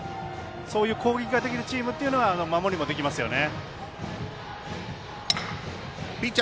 そういう攻撃ができるチームというのは守りもできますね。